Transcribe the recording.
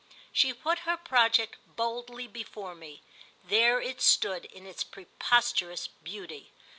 She put her project boldly before me: there it stood in its preposterous beauty.